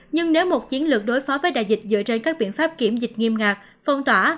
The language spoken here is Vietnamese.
nhưng nếu một chiến lược đối phó với đại dịch dựa trên các biện pháp kiểm dịch nghiêm ngạc phong tỏa